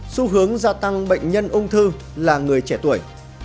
xu hướng gia tăng bệnh nhân ung thư là người trẻ tuổi